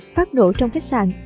phát nổ trong khách sạn